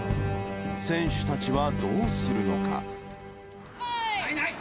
選手たちはどうするのか。